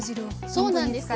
そうなんです。